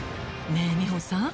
ねえ美穂さん。